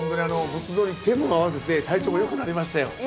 仏像に手も合わせて体調も良くなりましたよ。